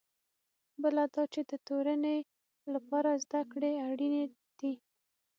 بله دا چې د تورنۍ لپاره زده کړې اړینې دي.